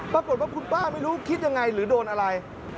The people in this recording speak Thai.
ปรากฏว่าคุณป้าไม่รู้คิดยังไงหรือโดนอะไร